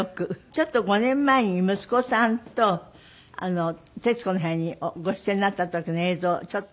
ちょっと５年前に息子さんと『徹子の部屋』にご出演になった時の映像をちょっと。